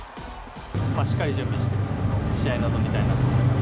しっかり準備して、試合に臨みたいなと思います。